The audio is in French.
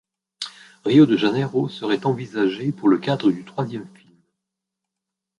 Rio de Janeiro serait envisagée pour le cadre du troisième film.